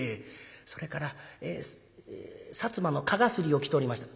「それからえ薩摩の蚊絣を着ておりました」。